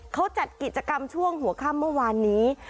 เขาจัดกิจกรรมช่วงหัวค่ำเมื่อวานนี้